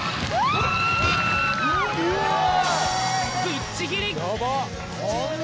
ぶっちぎり！